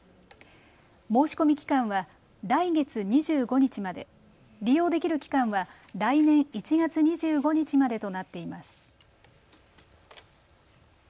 申し込み期間は来月２５日まで利用できる期間は来年１月２５日までとなっています。